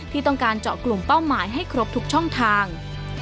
ที่ต้องการเจาะกลุ่มเป้าหมายให้ครบทุกช่องทาง